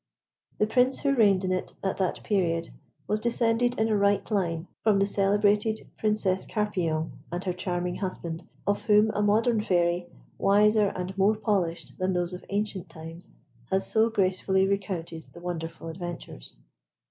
The Prince who reigned in it at that period, was descended in a right line from the celebrated Princess Carpillon and her charming husband, of whom a modern Fairy, wiser and more polished than those of ancient times, has so gracefully recounted the wonderful adventures.